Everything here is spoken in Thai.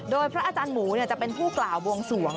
โดยพระอาจารย์หมูจะเป็นผู้กล่าวบวงสวง